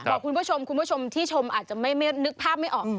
บอกคุณผู้ชมคุณผู้ชมที่ชมอาจจะไม่นึกภาพไม่ออก